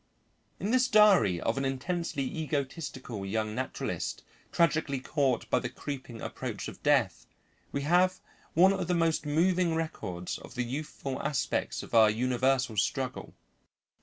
In this diary of an intensely egotistical young naturalist, tragically caught by the creeping approach of death, we have one of the most moving records of the youthful aspects of our universal struggle.